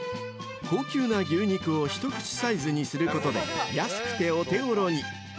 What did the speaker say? ［高級な牛肉を一口サイズにすることで安くてお手ごろに］